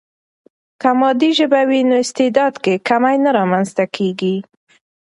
که مادي ژبه وي، نو استعداد کې کمی نه رامنځته کیږي.